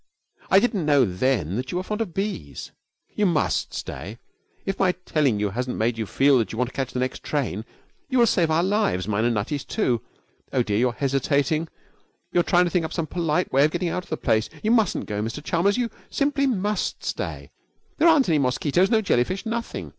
I didn't know then that you were fond of bees. You must stay, if my telling you hasn't made you feel that you want to catch the next train. You will save our lives mine and Nutty's too. Oh, dear, you're hesitating! You're trying to think up some polite way of getting out of the place! You mustn't go, Mr Chalmers; you simply must stay. There aren't any mosquitoes, no jellyfish nothing!